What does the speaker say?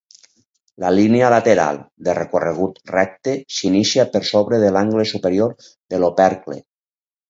La línia lateral, de recorregut recte, s'inicia per sobre de l'angle superior de l'opercle.